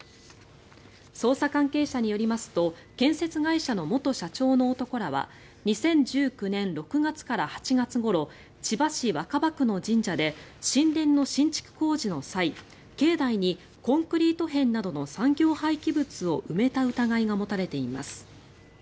捜査関係者によりますと建設会社の元社長の男らは２０１９年６月から８月ごろ千葉市若葉区の神社で神殿の新築工事の際、境内にコンクリート片などの産業廃棄物を埋めた疑いが持たれています。